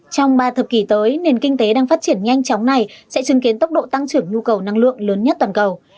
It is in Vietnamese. trong ba thập kỷ tới nền kinh tế đang phát triển nhanh chóng này sẽ chứng kiến tốc độ tăng trưởng nhu cầu năng lượng lớn nhất toàn cầu